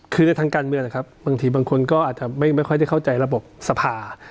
คือในทางการเมืองนะครับบางทีบางคนก็อาจจะไม่ค่อยได้เข้าใจระบบสภา